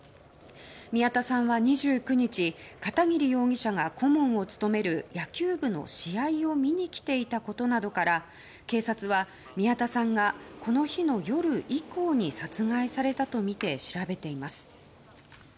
宮田さんは２９日片桐容疑者が顧問を務める野球部の試合を見に来ていたことなどから警察は宮田さんがこの日の夜以降に殺害されたとみて調べています。